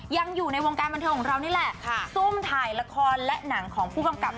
ยังอยู่ในวงการบันเทิงของเรานี่แหละซุ่มถ่ายละครและหนังของผู้กำกับ